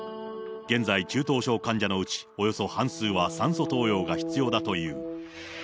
現在、中等症患者のうち、およそ半数は酸素投与が必要だという。